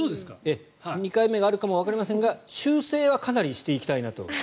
２回目があるかもわかりませんが修正はかなりしていきたいなと。